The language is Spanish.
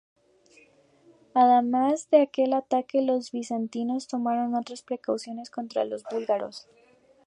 Además de aquel ataque los bizantinos tomaron otras precauciones contra los búlgaros.